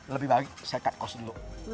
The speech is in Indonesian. lebih baik saya cut cost dulu